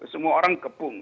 semua orang kepung